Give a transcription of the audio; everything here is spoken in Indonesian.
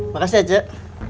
makasih ya cik